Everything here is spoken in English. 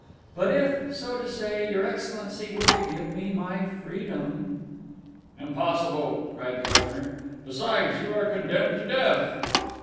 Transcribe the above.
But if, so to say, your excellency were to give me my freedom " "Impossible!" cried the Governor. "Besides, you are condemned to death."